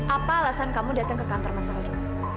apa alasan kamu datang ke kantor mas aldo